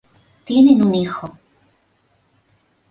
Tienen un hijo.